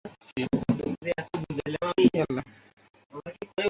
কেমন আছো, ভাই?